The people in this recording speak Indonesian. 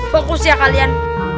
bagus ya kalian